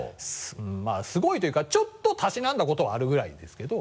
まぁすごいというかちょっとたしなんだことはあるぐらいですけど。